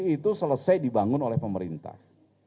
itu selesai dibangun oleh pemerintah